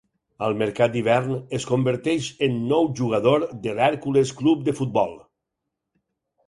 Al mercat d'hivern es converteix en nou jugador de l'Hèrcules Club de Futbol.